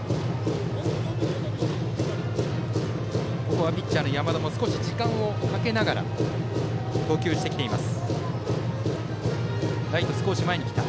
ここはピッチャーの山田も少し時間をかけながら投球してきています。